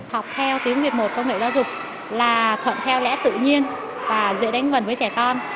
học theo tiếng việt một công nghệ giáo dục là thuận theo lẽ tự nhiên và dễ đánh gần với trẻ con